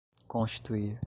constituir